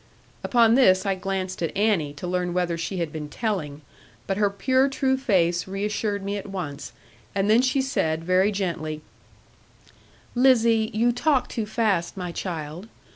Upon this I glanced at Annie, to learn whether she had been telling, but her pure true face reassured me at once, and then she said very gently, 'Lizzie, you talk too fast, my child.